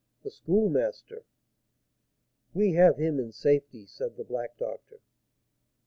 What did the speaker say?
The Schoolmaster?" "We have him in safety," said the black doctor.